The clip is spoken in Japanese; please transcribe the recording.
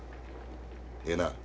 ええな？